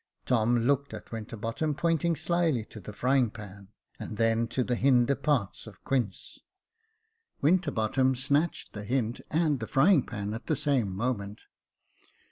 Tom looked at Winterbottom, pointing slily to the frying pan, and then to the hinder parts of Quince. Winter bottom snatched the hint and the frying pan at the same moment.